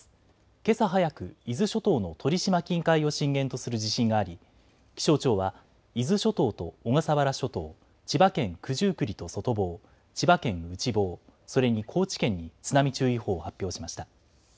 けさ早く、伊豆諸島の鳥島近海を震源とする地震があり気象庁は伊豆諸島と小笠原諸島、千葉県九十九里と外房、千葉県内房、それに高知県に津波注意報を発表しました。